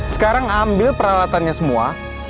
sekarang ambil peralatannya semua